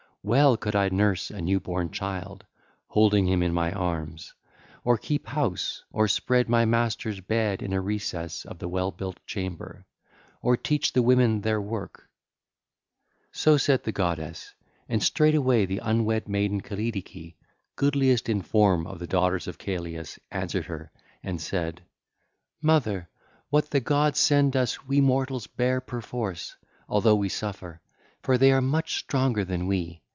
Well could I nurse a new born child, holding him in my arms, or keep house, or spread my masters' bed in a recess of the well built chamber, or teach the women their work.' (ll. 145 146) So said the goddess. And straightway the unwed maiden Callidice, goodliest in form of the daughters of Celeus, answered her and said: (ll. 147 168) 'Mother, what the gods send us, we mortals bear perforce, although we suffer; for they are much stronger than we.